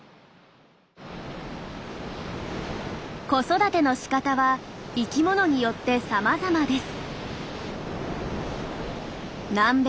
子育てのしかたは生きものによってさまざまです。